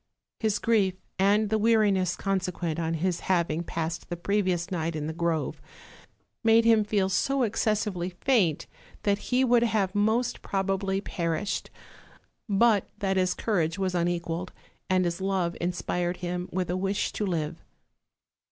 His grief, and the weariness consequent on his having passed the previous night in the grove, made him feel so excess ively faint that he would have most probably perished, but that his courage was unequaled, and his love inspired him with a wish to live.